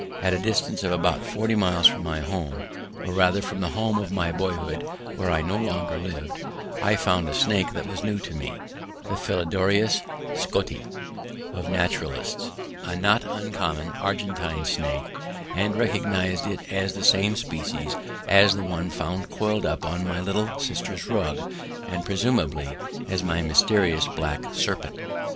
At a distance of about forty miles from my home, or rather from the home of my boyhood where I no longer lived, I found a snake that was new to me, the Philodryas scotti of naturalists, a not uncommon Argentine snake, and recognized it as the same species as the one found coiled up on my little sister's rug and presumably as my mysterious black serpent.